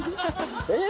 えっ？